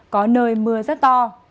có nơi mưa rất to